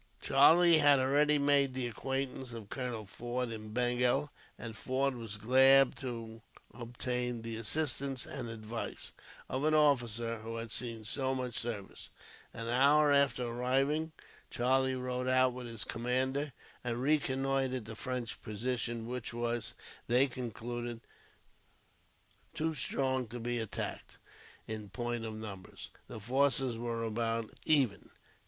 Charlie had already made the acquaintance of Colonel Forde in Bengal, and Forde was glad to obtain the assistance, and advice, of an officer who had seen so much service. An hour after arriving, Charlie rode out with his commander and reconnoitred the French position; which was, they concluded, too strong to be attacked. In point of numbers, the forces were about even.